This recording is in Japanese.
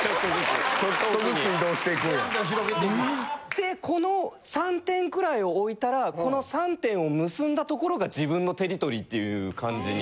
でこの３点くらいを置いたらこの３点を結んだところが自分のテリトリーっていう感じに。